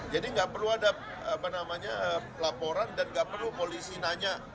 jadi nggak perlu ada laporan dan nggak perlu polisi nanya